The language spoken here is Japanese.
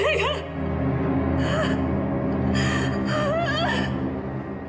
ああ！